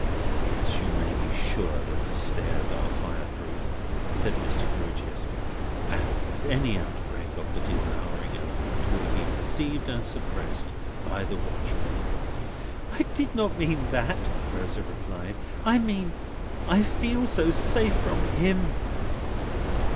"Yes, you may be sure that the stairs are fire proof," said Mr. Grewgious, "and that any outbreak of the devouring element would be perceived and suppressed by the watchmen." "I did not mean that," Rosa replied. "I mean, I feel so safe from him."